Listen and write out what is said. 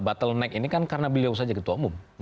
battle neck ini kan karena beliau saja ketua umum